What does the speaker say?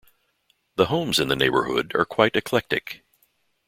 The homes in the neighborhood are quite eclectic.